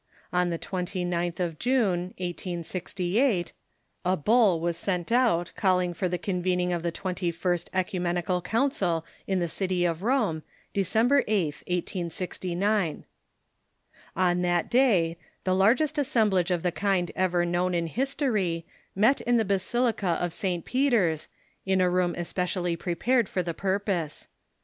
On the 29th of June, 1868, a bull was sent out calling for the convening of the Twentj^ first Qilcu menical Council in the city of Rome, December 8th, 1869. 398 THE MODERN CHURCH On that day the largest assemblage of the kind ever known in history met in the basilica of St. Peter's, in a room especial ly prepared for the purpose.